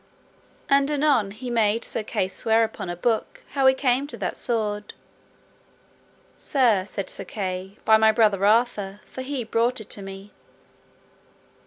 And anon he made Sir Kay swear upon a book how he came to that sword. Sir, said Sir Kay, by my brother Arthur, for he brought it to me.